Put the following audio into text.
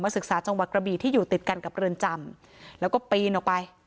ศึกษาจังหวัดกระบีที่อยู่ติดกันกับเรือนจำแล้วก็ปีนออกไป